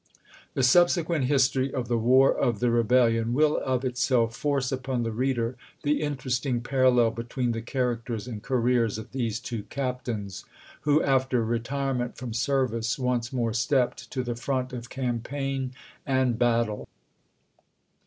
The subsequent history of the War of the Eebel lion will of itself force upon the reader the interest ing parallel between the characters and careers of these two captains, who after retirement from ser vice once more stepped to the front of campaign and battle.